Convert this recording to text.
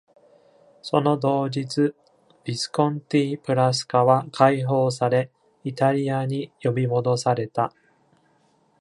その同日、ヴィスコンティ・プラスカは解放され、イタリアに呼び戻された。